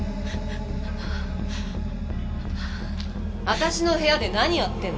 私の部屋で何やってんの？